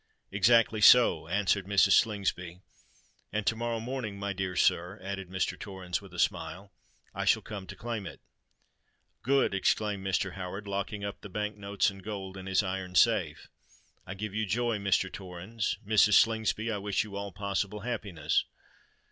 "Exactly so," answered Mrs. Slingsby. "And to morrow morning, my dear sir," added Mr. Torrens, with a smile, "I shall come to claim it." "Good," exclaimed Mr. Howard, locking up the bank notes and gold in his iron safe. "I give you joy, Mr. Torrens: Mrs. Slingsby, I wish you all possible happiness."